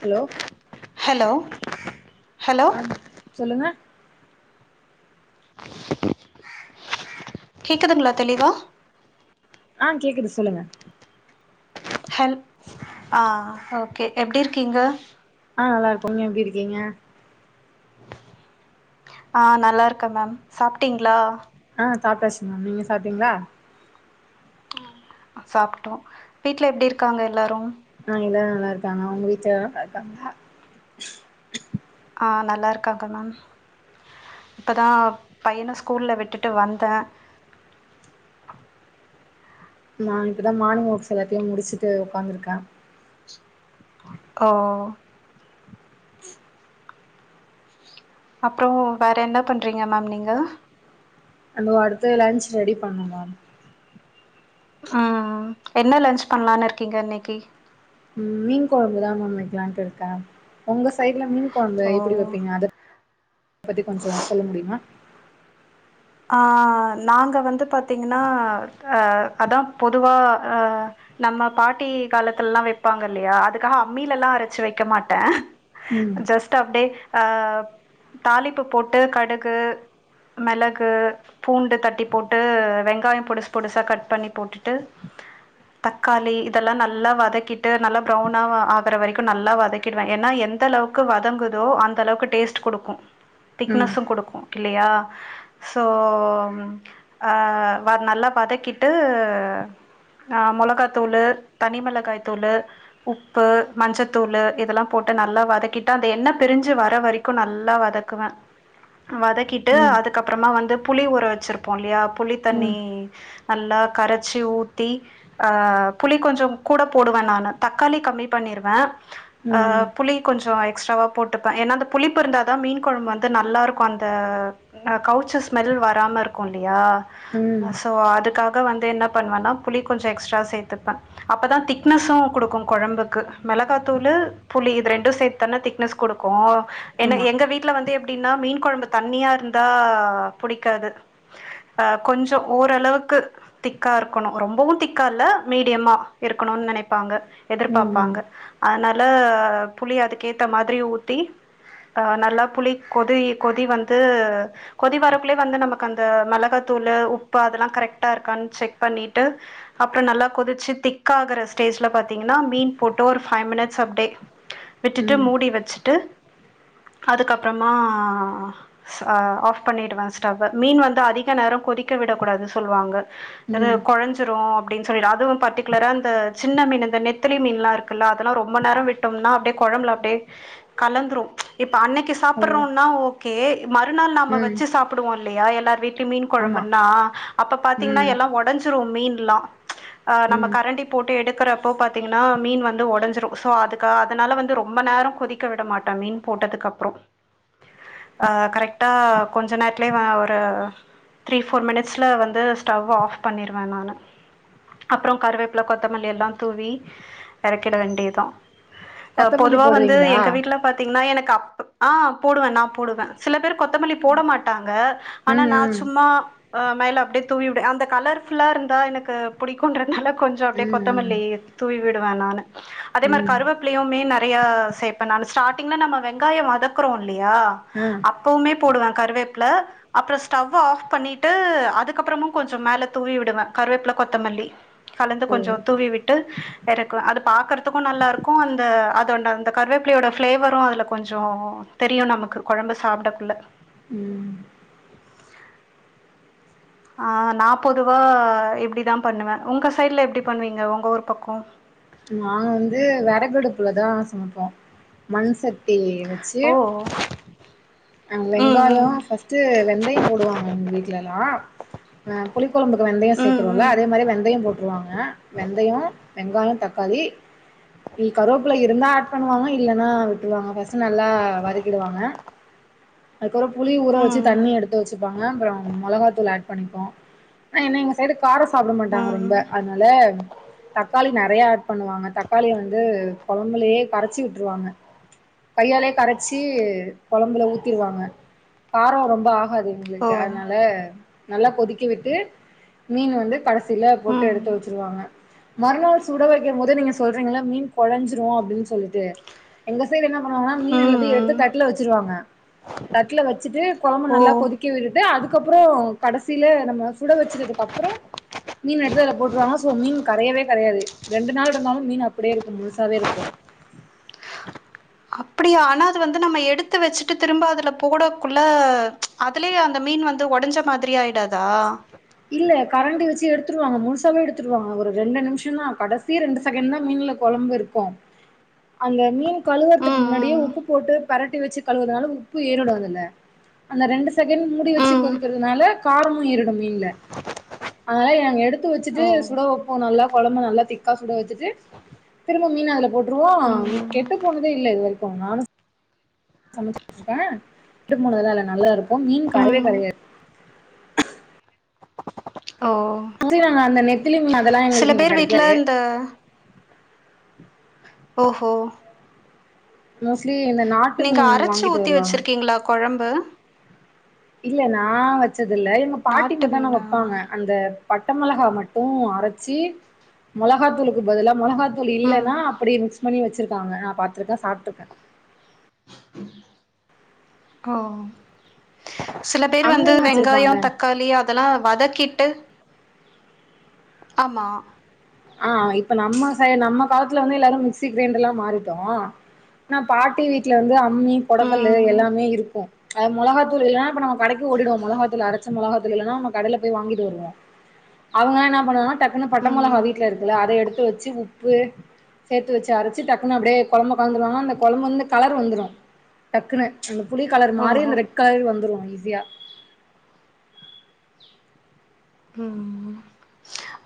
hello hello அன் சொல்லுங்க கேக்குதுங்ளா தெளிவா ஆ கேக்குது சொல்லுங்க ஹெல் ஆ ஓகே எப்டி இருக்கீங்க ஆ நல்லாருக்கோ நீங்க எப்டி இருக்கீங்க ஆ நல்லாருக்கே மேம் சாப்ட்டீங்ளா ஆ சாப்டாச்சு மேம் நீங்க சாப்டீங்ளா சாப்டோ வீட்ல எப்டி இருக்காங்க எல்லாரு ஆ எல்லாரு நல்லாருக்காங்க ஒங்க வீட்ல எல்லாரு நல்லாருக்காங்ளா ஆ நல்லாருக்காங்க மேம் இப்பதாப் பையன ஸ்கூல்ல விட்டுட்டு வந்தே நா இப்பதா மானிங் ஓர்க்ஸ் எல்லாத்தியும் முடிசிட்டு ஒக்காந்துருக்கே ஓ அப்றோ வேற என்ன பண்றீங்க மேம் நீங்க அந்தோ அடுத்து லன்ச் ரெடி பண்ணு மேம் ம் ம் என்ன லன்ச் பண்லான் இருக்கீங்க இன்னைக்கி ம் மீன் கொழம்புதா மேம் வெக்லான்ட்டுருக்கே ஒங்க சைடுல மீன் கொழம்பு எப்புடி ஓ வெப்பீங்க அதப் பத்தி கொஞ்சோ சொல்ல முடியுமா ஆ நாங்க வந்து பாத்தீங்கினா அ அதாம் பொதுவா அ நம்ம பாட்டி காலத்துல்லா வெப்பாங்க இல்லையா அதுக்காக அம்மிலெல்லா அரச்சி வெக்க மாட்டே ம் ஜஸ்ட்டு அப்டே அப் தாளிப்பு போட்டு கடுகு மெளக் கு பூண்டு தட்டிப் போட்டு வெங்காயம் பொடுசு பொடுசா கட் பண்ணிப் போட்டுட்டு தக்காளி இதெல்லா நல்லா வதக்கிட்டு நல்லா ப்ரௌனாவா ஆகற வரைக்கு நல்லா வதக்கிடுவே எனா எந்தளவுக் கு வதங்குதோ அந்த அளவுக்கு டேஸ்ட்டு குடுக்கு ம் திக்னஸுங் குடுக்கு இல்லியா சோம் அ வ நல்லா வதக்கிட்டு அ மொளகாத்தூளு தனி மிளகாய்த்தூளு உப்பு மஞ்சத்தூளு இதெலாம் போட்டு நல்லா வதக்கிட்டு அந்த எண்ணெப் பிரிஞ்சு வர வரைக்கு நல்லா வதக் க்குவே வதக்கிட் ட்டு ம் அதுக்கப்றமா வந்து புளி ஊற வச்சிருப்போ இல்யா புளி ம் தண்ணி நல்லா கரச்சி ஊத்தி ஆ புளி கொஞ்சும் கூட போடுவே நானு தக்காளி கம்மி பண்ணிருவே ஆ ம் புளி கொஞ்சோ ஆ எக்ஸ்ட்ராவா போட்டுப்பே ஏன்னா அந்த புளிப் இருந்தாதா மீன் கொழம் வந்து நல்லார்க்கு அந்த நா கவ்ச்ச ஸ்மெல் வராம ருக்கு இல்லியா ம் அ சோ அதுக்கா கு வந்து என்னா பண்வன்னா புளி கொஞ்சோ எக்ஸ்ட்ரா சேத்துப்பே அப்பதா திக்னஸு குடுக்கு கொழம்புக்கு மெளகாத்தூளு புளி இத் ரெண்டு சேத்தன திக்னஸ் குடுக்கு என்ன ஆமா எங்க வீட்ல வந்து எப்டின்னா மீன் கொழம்பு தண்ணியா இருந்தா புடிக்காது அ கொஞ்சோ ஓரளவுக்கு திக்கா இருக்கணு ரொம்பவு திக்கா இல்ல மீடியமா இருக்கணுன் நெனைப்பாங்க ம் ம் எதிர்பாப்பாங்க அதனால புலி அதுக் ஏத்த மாத்ரி ஊத்தி ஆ நல்லா புளி கொதி கொதி வந்து கொதி வரக்குள்ளே வந்து நமக் அந்த மிளகாத்தூளு உப்பு அதெல்லா கரக்ட்டா இருக்கான் செக் பண்ணிட்டு அப்றோ நல்லா கொதிச்சி திக் ஆகுற ஸ்டேஜ்ல பாத்தீங்கன்னா மீன் போட்டோர் ஃபைவ் மினிட்ஸ் அப்டே விட்டுட்டு ம் மூடி வச்சுட்டு அதுக்கப்றமா சா ஆஃப் பண்ணிடுவ ஸ்டவ்வ மீன் வந்து அதிக நேரோ கொதிக்க விடக்கூடாது சொல்வாங்க எது ம் கொழஞ்ச் ந்துரு அப்டின் சொல்லி அதுவு பர்டிகுலரா இந்த சின்ன மீன் இந்த நெத்திலி மீன்லா இருக்குல்ல அதல்லா ரொம்ப நேரோ விட் ட்டோம்னா அப்டே கொழம்ல அப்டே கலந்துரு இப் அன்னக்கிஸ் ஓ சாப்புறோனா ஓகே மறுநாள் நாம ம் சாப்டுவோ இல்லையா எல்லார் வீட்லு மீன் ஆமா கொழம்ன்னா அப்ப ம் பாத்தீங்கன்னா எல்லா ஒடஞ்ச் த்துரு மீன்லா ஆ நம்ம ம் கரண்டி போட்டு எடுக்கறப்போ பாத்தீங்குன்னா மீன் வந்து ஒடஞ்சிரு ஸோ அதுக்கா அதனால வந்து ரொம்ப நேரோ கொதிக்க விட மாட்ட மீன் போட்டத்துக் அப்றோ அ கரக்ட்டா கொஞ்ச நேட்லே வ ஒரு த்ரீ ஃபோர் மினிட்ஸ்ல வந்து ஸ்டவ் ஆஃப் பண்ணிர்வே நானு அப்றோ கருவேப்புல கொத்தமல்லி எல்லா தூவி எறக்கிட வேண்டிய்தா அ கொத்தமல்லி பொதுவா வந்து போடுவீங்களா எங்க வீட்ல பாத் திங்னா எனக்கப் ஆ போடுவே நா போடுவே சில பேர் கொத்தமல்லி போட மாட்டாங்க ஆனா ம் நா ச்சும்மா ஆ மேல அப்டே தூவி விடு அந்த கலர்ஃபுல்லா ருந்தா எனக்கு புடிக்குன்றனால கொஞ்சோ அப்டே ம் ம் கொத்தமல்லித் தூவி விடுவே நானு அதே மார் ம் ம் கருவேப்லியு மே நறையா சேப்பே நானு ஸ்டாட்டிங்ல நம்ம வெங்காயோ வதக்றோ லியா ஆ அப்போமே போடுவே கறிவேப்ல அப்றோ ஸ்டவ் ஆஃப் பண்ணிட்டு அதுக்கப்றமு கொஞ்சு மேல தூவி விடுவே கருவேப்ல கொத்தமல்லி கலந்து ஓ கொஞ்சோ தூவி விட்டு யறக்வே அது பாக்கறத்துக்கு நல்லார்க்கு அந்த அதோன்ட அந்த கருவேப்பிலையோட ஃப்ளேவரு அதுல கொஞ்சோ தெரியு நமக்கு கொழம்பு சாப்டக்குள்ள ம் ஆ நா பொதுவா இப்டிதா பண்ணுவே உங்க சைட்ல எப்டி பண்வீங்க உங்க ஊர் பக்கோ நா வந்து வெறகு அடுப்ல தா சமப்போ மண்சட்டி வெச்சு ஓ அ ம் வெங்காயோ ம் ஃபஸ்ட்டு வெந்தய போடுவாங்க எங் வீட்லல்லா அ புலி கொழம்புக்கு வெந்தயோ ம் சேக்குரோல அதே மாரி வெந்தயம் போட்ருவாங்க வெந்தயோ வெங்காயோ தக் க்காளி இல் கருவேப்புல இருந்தா அட் பண்ணுவாங்க இல்லனா விட்ருவாங்க ஃபஸ்ஸு நல்லா வதக்கிடுவாங்க அதுக்கப்றோ புளி ஊற வச்சு ம் தண்ணி எடுத்து வச்சிப்பாங்க அப்பறோ மொளகாத்தூள் ஆட் பண்ணிப்போ ஏனா என்ன எங்க சைடு காரோ சாப்புட ம் ம் மாட்டாங்க ம் ரொம்ப அத்னால தக்காளி நெறையா ஆட் பண்ணுவாங்க தக்காளிய வந்து கொழம்புலயே கரச்சி விட்ருவாங்க கையாலே கரைச்சி கொழம்புல ஊத்திருவாங்க காரோ ரொம்ப ஆகாது ஓ எங்ளுக்கு அத்னால நல்லா கொதிக்க விட்டு மீனு வந்து கடஸ் சில போட்டு ம் எடுத்து வச்சிருவாங்க மறுநாள் சுட வக் க்கமொது நீங்க சொல்றீங்ளா மீன் கொழஞ்சிரு அப்டின் சொல்லிட்டு எங்க சைட் என்ன பண்ணுவாங்கனா மீன் ம் எல்லாத்தயு எடுத்து ம் தட்ல வச்சிருவாங்க தட்டல வச்சுட்டு கொழம்பு ஓ நல்லா கொதிக்க விட்டுது அதுக்கப்புறோ கடசில நம்ம சுட வச்சிடதுக் அப் மீன் எடுத்து அதுல போட்ருவாங்கா சோ மீன் கரையவே‌ கரையாது ரெண்டு நாள்ருந்தாலு மீன் அப்புடே இருக்கு முழுசாவே இருக்கு அப்புடியா ஆனா அது வந்து நம்ம எடுத்து வச்சுட்டு திரும்ப அதுல போடக்குள்ள அத் துலே அந்த மீன் வந்து ஒடஞ்ச மாதுரி ஆயிடாதா இல்ல கரண்டி வச்சு எடுத்துருவாங்க முழுசாவே எடுத்துருவாங்க ஒரு ரெண்டு நிம்ஷந்தா கடசி ரெண்டு சகேண்ட் தா மீன்ல கொழம்பு இருக் போ அந்த மீன் ஓ கழுவற்துக்கு முன்னாடியே உப்பு போட்டு பெரட்டி வச்சு கழுவற்துனால உப்பு ஏறிடு அதுல அந்த ரெண்டு சகேண் மூடி வச்சு ம் கொதிக்கற்துனால காரமு ஏறிடு மீன்ல அதனால ஏங்க எடுத்து வச்சுட்டு சுட வப்போ நல்லா கொழம்பு நல்லா திக்கா சுட வச்சுட்டு திரும்ப மீன் அதுல போட்ருவோ கெட்டு போனதே இல்ல இது வரிக்கு நானு சமைச்சு [inaudible] ட்டு போனதுலா இல்ல நல்லாருக்கு மீன் கரைய்வே கரையாது ஓ [unintelligible] அந்த நெத்துலிம் அதலா சில எங்குளுக்கு இங்க பேர் வீட்ல கடைக்காது இந்த ஒஹோ மோஸ்லி இந்த நாட் நீங்க அரச்சி ஊத்தி வச்சுருக்கீங்ளா கொழம்பு இல்ல நா வச்சதுல்ல எங்க பாட்டி நாட்டு மட்டு ஆனா மீனா வெப்பாங்க அந்த பட்ட மொளகா மட்டு அரச்சி மொளகாத்தூலுக்கு பதுலா மொளகாத் தூள் ம் இல்லனா அப்புடி மிக்ஸ் பண்ணி வச்சிருக்காங்க நா பாத்துருக்க சாப்ட்ருக்க ஒ சில பேர் வந்து அம்மிலா வெங்காயோ வச்சிருப்பாங்க தக்காளி அத் தல்லா வதக்கிட்டு ஆமா அ அ இப்ப நம்ம சை நம்ம காலத்துல வந்து எல்லாரு மிக்சி கிரைண்ருலா மாறிட்டோ நா பாட்டி வீட்ல வந்து அம்மி பொட‌கல்லு ம் எல்லாமே இருக்கு அ மொளகாத்தூள் இல்லனா இப்ப நம்ம வடக்கி ஓடிடுவோ மொளகா தூள் அரச்ச‌ மொளகா தூள் இல்லனா கடைல போய் வாங்கிட்டு வருவோ அவங்களா என்னா பண்ணுவாங்னா டக் அன்ன பட்ட மொளகா ம் வீட்ல இருக்குல்ல அத எடுத்து வச்சு உப்பு சேத்து வச்சு அரச்சு டக்குனு அப்டே கொழம்ப கலந்துருவாங்கா அந்த கொழம்பு வந்து கலர் வந்துரு டக்குனு அந்த புளி கலர் மாறி ஓஹோ அந்த ரெட் கலர் வந்துரு ஈஸியா ம் ம்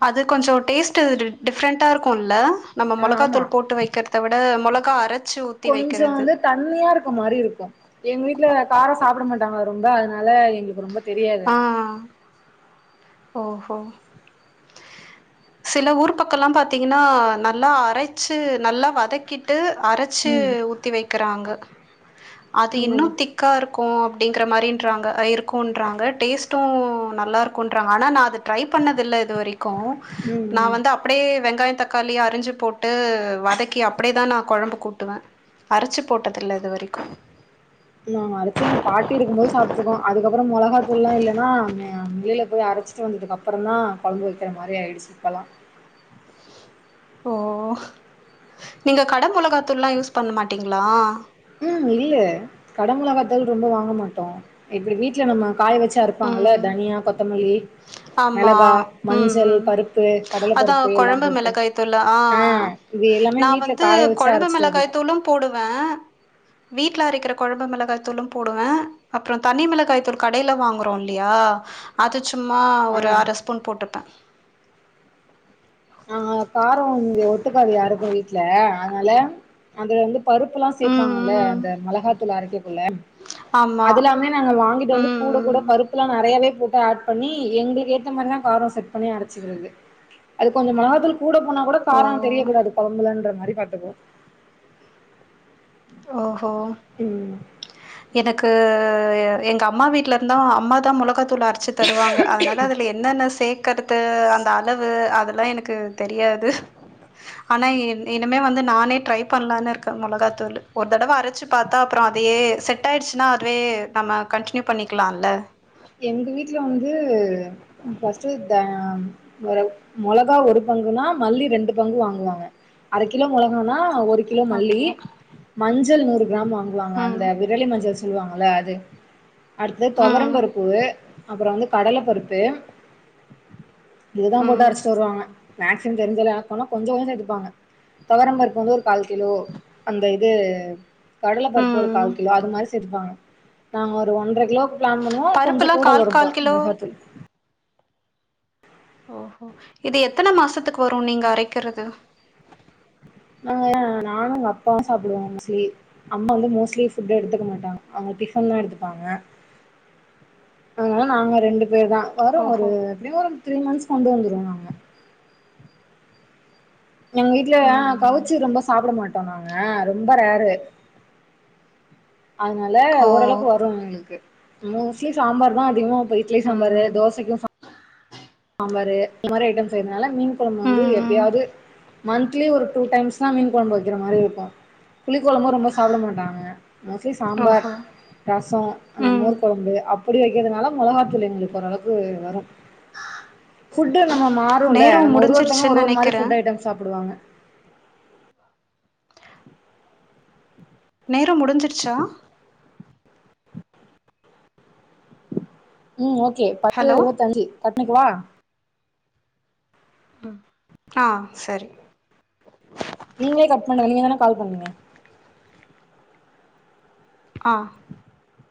அது கொஞ்ச டேஸ்ட்டுடி டிஃப்ரெண்ட்டா இருக்குல்ல நம்ம ஆ மொளகா ஆமா தூள் போட்டு வக்கற்த விட மொளகா அரச் கொஞ்சோ வந்து த அண்ணியா இருக்க மாரி இருக்கு எங் வீட்ல கார சாப்புட மாட்டாங்க ரொம்ப அதுனால எங்ளுக்கு ரொம்ப தெரியாது அது ஒ ஹோ சில ஊர் பக்கல்லா பாத்தீங்கன்னா நல்லா அரைச்சு நல்லா வதக்கிட்டு அரைச் சி ம் ஊத்தி வைக்கிறாங்க அது ம் இன்னு திக் கா இருக்கு அப்டிங்கிற மாரின்றாங்க இருக்குன்றாங்க டேஸ்ட்டு நல்லாருக்குன்றாங்க ஆனா நா அத ட்ரை பண்ணது இல்ல இது வரைக்கு ம் நா ம் வந்து அப்டியே வெங்காயோ தக்காளி அரிஞ்சு போட்டு வதக்கி அப்டியேதா நா கொழம்பு கூட்டுவே அரச்சி போட்டதில்ல இது வரைக்கு நாங்க அரச்சி எங்க பாட்டி இருக்கும் போது சாப்ட்டுருக்கோ அதுக்கப்பறோ மொளகாத்தூள்ல்லா இல்லைன்னா அங்க அம்மில போய் அரச்சி சோ வந்ததுக்கப்பறந்தா கொழம்பு வைக்கிற மாரி ஆய்டுச்சி இப்பல்லா ஓ நீங்க கட மொளகாத்தூள்லா யூஸ் பண்ண மாட்டிங்களா ம் இல்ல கட மொளக்த்தூள் ரொம்ப வாங்க மாட்டோ இப்டி வீட்ல நம்ம காய வச்சி அரப்பாங்கல்ல ம் தனியா கொத்தமல்லி ஆமா மெளகா ம் மஞ்சள் ம் பருப்பு கடல அதா பருப்பு எல்லா கொழம்பு போட்டு மெளகாய் தூளு ஆ ஆ இது எல்லாமே நா வீட்ல வந்து காய வச்சு கொழம்பு அரச்சிட்டு வரதுதா மெளகாய்த்தூளு போடுவே வீட்ல அரைக்கிற கொழம்பு மெளகாத்தூளு போடுவே அப்பறோ தனி மெளகாய் தூள் கடேல வாங்குறோ இல்லையா அது சும்மா ஆ ஒரு அர ஸ்பூன் போட்டுப்பே ஆ காரோ இங்க ஒத்துக்காது யாருக்கு வீட்ல அதனால அது வந்து பருப்புல்லா ம் சேப்பாங்கல்ல ம் அந்த மொளகாத்தூள் அரைக்கக்குள்ள ஆமா அது எல்லாமே நாங்க வாங்கிட்டு ம் வந்து கூட கூட ம் பருப்பு எல்லா நெறையாவே போட்டு ஆட் பண்ணி எங்களுக்கு ஏத்த மாரிதா காரோ செட் பண்ணி அரச்சிக்கிறது அது கொஞ்சோ மொளகாத்தூள் கூட போனா கூட காரோ தெரியக் ஓ கூடாது கொழம்புலன்ற மாரி பாத்துக்குவோ ஓஹோ ம் எனக்கு இது எங்க அம்மா வீட்ல இருந்தா அம்மா தா மொளகாத் தூள் அரச்சி தருவாங்க அதனால அதுல என்னென்ன சேக்கறது அந்த அளவு அதெல்லா எனக்கு தெரியாது ஆனா இனிமே வந்து நானே வந்து ட்ரை பண்ணலான்னு இருக்கே மொளகாத்தூள் ஒரு தடவ அரச்சி பாத்தா அப்பறோ அதையே செட் ஆயிடுச்சின்னா அதுவே நம்ம கன்டினியூ பண்ணிக்கலால்ல எங்க வீட்ல வந்து ஃபர்ஸ்ட்டு இந்த ஒரு மொளகா ஒரு பங்குன்னா மல்லி ரெண்டு பங்கு வாங்குவாங்க அரை கிலோ மொளகானா ஒரு கிலோ மல்லி ஓகே மஞ்சள் நூறு கிராம் வாங்குவாங்க ம் அந்த விரலி மஞ்சள் சொல்லுவாங்கல்ல அது அடுத்தது ம் தொவரம்பருப் பு அப்பறோ வந்து கடல பருப்பு இதுதா போட்டு ம் அரச்சிட்டு வருவாங்க மேக்சிமம் தெரிஞ்சத ஆட் பண்ணுவோ கொஞ்சோ கொஞ்சோ எடுப்பாங்க தொவரம்பருப்பு வந்து ஒரு கால் கிலோ அந்த இது கடல பருப்பு ஒரு ம் கால் கிலோ அது மாரி சேத்துப்பாங்க நாங்க ஒரு ஒன்ற கிலோக்கு பிளான் பண்ணுவோ கொஞ்சோ பருப்புலா கூட கால் வரும்பா கால் கிலோ மொளகாத்தூள் ஓஹோ இது எத்தன மாசத்துக்கு வரு நீங்க அரைக்கிறது ஆ நானு எங்க அப்பாவு சாப்டுவோ மோஸ்ட்லி அம்மா வந்து மோஸ்ட்லி ஃபுட் எடுத்துக்க மாட்டாங்க அவங்க டிஃபன்தா எடுத்துப்பாங்க அதனால நாங்க ரெண்டு பேர் தா வரு ஒரு ஓஹோ எப்டியு ஒரு த்ரீ மந்த்ஸ் கொண்டு வந்துருவோ நாங்க எங்க வீட்ல ம் கவுச்சி ரொம்ப சாப்ட மாட்டோ நாங்க ரொம்ப ரேரு அதனால ஓ ஓரளவுக்கு வரு எங்களுக்கு மோஸ்ட்லி சாம்பார் தா அதிகமா போயிட் இட்லி சம்பாரு ம் தோசைக்கு சாம் பாரு இந்த மாரி ஐட்டம் செய்றதுனால மீன் கொழம்பு வந்து ம் எப்பயாது மந்த்லி ஒரு டூ டைம்ஸ்தா மீன் கொழம்பு வைக்கிற மாரி இருக்கு புளி கொழம்புன்னா ரொம்ப சாப்ட மாட்டாங்க மோஸ்ட்லி சாம்பார் ஓஹோ ரசோ அந்த ம் மோர்க் கொழம்பு அப்டி வைக்கிறதுனால மொளகாத்ததூளு எங்களுக்கு ஓரளவுக்கு வரு ஃபுட்டு நம்ம மாறுல நேரோ நம்ம ஒரு ஒருத்தங் முடிஞ்சிருச்சுன் ஒரு ஒரு மாரி நெனைக்கிறே ஃபுட் ஐட்டம்ஸ் சாப்டுவாங்க நேரோ முடிஞ்சிருச்சா ம் ஓகே பத்து ஹலோ இருவத்து அஞ்சு கட் பண்ணிக்குவா ம் ஆ செரி நீங்ளே கட் பண்ணுங்க நீங்க தான கால் பண்ணீங்க ஆ